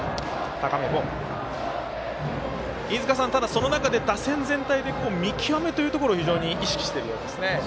その中で打線全体で見極めというところを意識しているようですね。